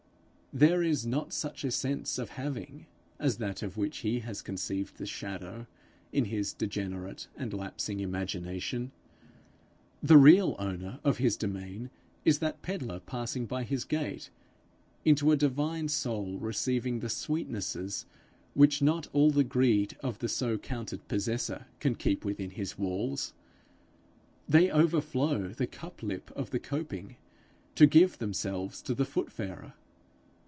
There is not such a sense of having as that of which he has conceived the shadow in his degenerate and lapsing imagination. The real owner of his demesne is that pedlar passing his gate, into a divine soul receiving the sweetnesses which not all the greed of the so counted possessor can keep within his walls: they overflow the cup lip of the coping, to give themselves to the footfarer.